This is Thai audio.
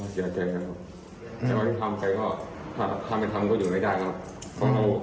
ก็อย่าเจ๋งนะครับถ้าไม่ทำก็อยู่ไม่ได้ครับ